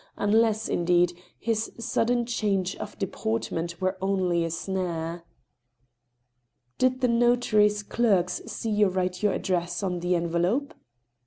. unless, indeed, his sudden change of de portment were only a snare. "Did the notary's clerks see you write your address on the envelope